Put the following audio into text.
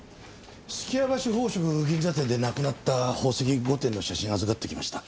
数寄屋橋宝飾銀座店でなくなった宝石５点の写真を預かってきました。